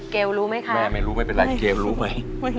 เกลรู้ไหมฮะม่ม่อยังไม่รู้ไม่เป็นไรเกลรู้ไหม